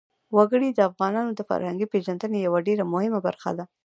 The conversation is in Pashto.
وګړي د افغانانو د فرهنګي پیژندنې یوه ډېره مهمه برخه ده.